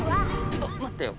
ちょっと待ってよ。